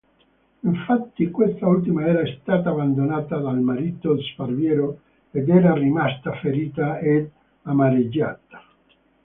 Infatti quest'ultima era stata abbandonata dal marito sparviero ed era rimasta ferita ed amareggiata.